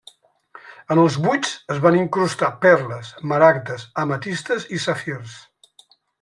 En els buits es van incrustar perles, maragdes, ametistes i safirs.